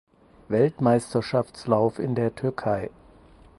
Weltmeisterschaftslauf in der Türkei.